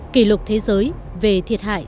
kỷ lục thế giới về thiệt hại do thiên tai gây ra